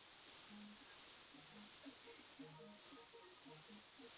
robo tatu ya umri wake Katika miaka ya karibuni afya yake imekuwa ikizorota kiasi